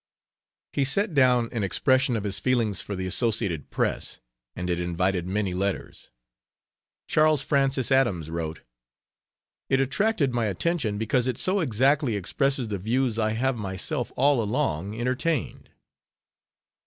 He set down an expression of his feelings for the Associated Press, and it invited many letters. Charles Francis Adams wrote, "It attracted my attention because it so exactly expresses the views I have myself all along entertained."